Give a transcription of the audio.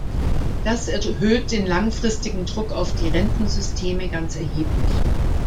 Das erhöht den langfristigen Druck auf die Rentensysteme ganz erheblich.